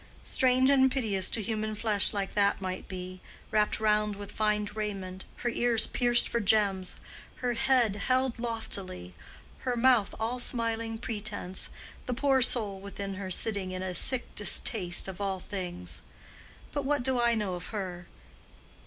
Strange and piteous to think what a center of wretchedness a delicate piece of human flesh like that might be, wrapped round with fine raiment, her ears pierced for gems, her head held loftily, her mouth all smiling pretense, the poor soul within her sitting in sick distaste of all things! But what do I know of her?